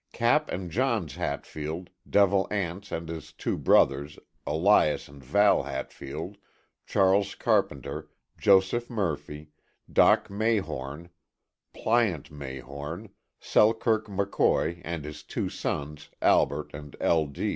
Cap and Johns Hatfield, Devil Anse and his two brothers, Elias and Val Hatfield, Charles Carpenter, Joseph Murphy, Dock Mayhorn, Plyant Mayhorn, Selkirk McCoy and his two sons, Albert and L.